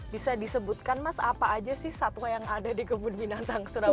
bisa disebutkan mas apa aja sih satwa yang ada di kebun binatang surabaya